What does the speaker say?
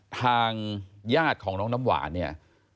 ทางญาติของน้องน้ำหวานเนี่ย